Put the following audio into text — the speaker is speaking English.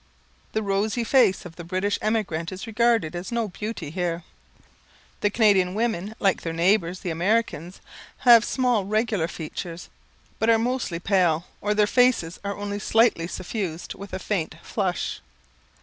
The rosy face of the British emigrant is regarded as no beauty here. The Canadian women, like their neighbours the Americans, have small regular features, but are mostly pale, or their faces are only slightly suffused with a faint flush.